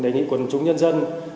đề nghị quần chúng nhân dân